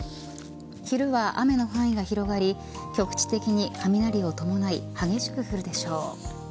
昼は雨の範囲が広がり局地的に雷を伴い激しく降るでしょう。